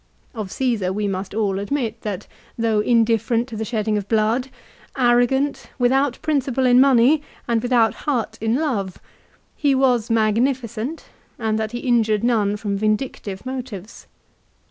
Of Caesar we must all admit that though indifferent to the shedding of blood, arrogant, without principle in money, and without heart in love, he was magnificent, and that he injured none from vindictive motives.